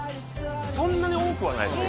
そんなに多くはないですね